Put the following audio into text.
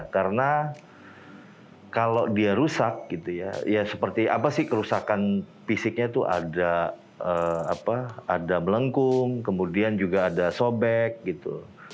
karena kalau dia rusak seperti kerusakan fisiknya itu ada melengkung kemudian juga ada sobek gitu